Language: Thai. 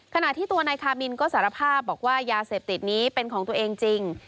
ขณะที่ตัวนายคามินก็สารภาพบอกว่ายาเสพติดนี้เป็นของตัวเองจริง